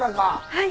はい。